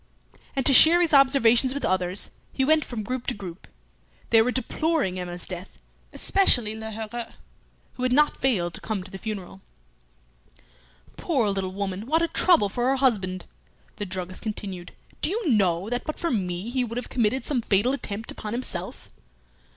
And to share his observations with others he went from group to group. They were deploring Emma's death, especially Lheureux, who had not failed to come to the funeral. "Poor little woman! What a trouble for her husband!" The druggist continued, "Do you know that but for me he would have committed some fatal attempt upon himself?"